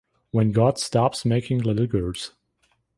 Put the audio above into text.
When God stops making little girls.